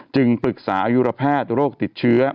ปรึกษาอายุระแพทย์โรคติดเชื้อ